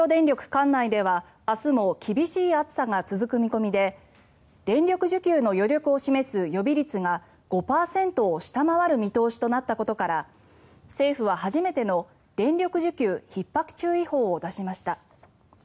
管内では明日も厳しい暑さが続く見込みで電力需給の余力を示す予備率が５％を下回る見通しとなったことから政府は初めての電力需給ひっ迫注意報を出しました。